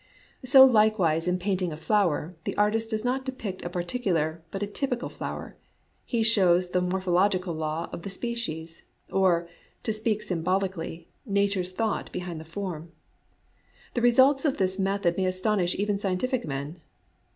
So likewise in painting a flower, the artist does not depict a particular, but a typical flower : he shows the morphological law of the species, or, to speak symbolically, nature's thought behind the form. The results of this method may astonish even scientific men.